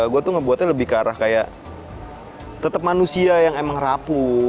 gue tuh ngebuatnya lebih ke arah kayak tetap manusia yang emang rapuh